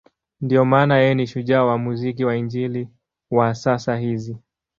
Ndiyo maana yeye ni shujaa wa muziki wa Injili wa sasa hizi.